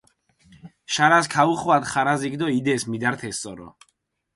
შარას ქაუხვადჷ ხარაზიქჷ დო იდეს, მიდართეს წორო.